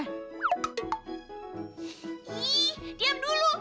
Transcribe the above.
ih diam dulu